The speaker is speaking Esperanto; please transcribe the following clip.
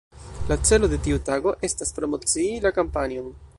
La celo de tiu tago estas promocii la kampanjon.